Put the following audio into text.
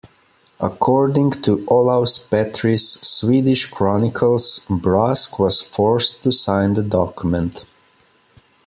According to Olaus Petri's Swedish chronicles, Brask was forced to sign the document.